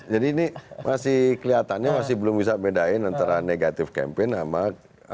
jadi ini masih kelihatannya masih belum bisa bedain antara negatif campaign sama black campaign